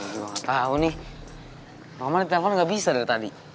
gak tau nih roman telfon gak bisa dari tadi